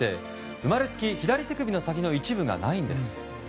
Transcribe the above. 生まれつき左手首の先の一部がないんです。